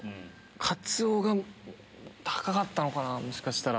カツオが高かったのかなもしかしたら。